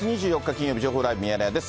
金曜日、情報ライブミヤネ屋です。